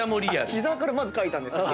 膝から描いたんですよ。